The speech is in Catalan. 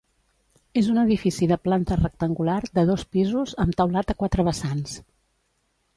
És un edifici de planta rectangular, de dos pisos, amb teulat a quatre vessants.